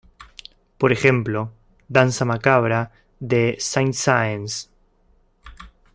Por ejemplo: Danza macabra, de Saint-Saëns.